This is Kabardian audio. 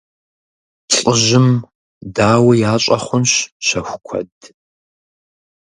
Лӏыжьым, дауи, ящӀэ хъунщ щэху куэд!